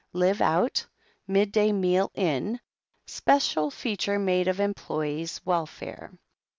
"Live out; midday meal in. Special feature made of employees' welfare."